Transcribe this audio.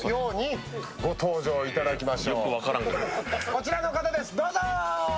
こちらの方です、どうぞ！